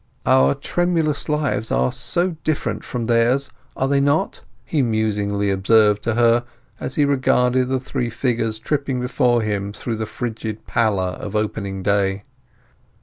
"Our tremulous lives are so different from theirs, are they not?" he musingly observed to her, as he regarded the three figures tripping before him through the frigid pallor of opening day.